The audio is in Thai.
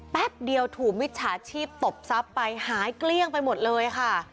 แป๊บเดียวถูกมิจฉาชีพตบทรัพย์ไปหายเกลี้ยงไปหมดเลยค่ะ